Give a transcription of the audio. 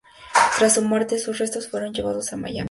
Tras su muerte, sus restos fueron llevados a Miami.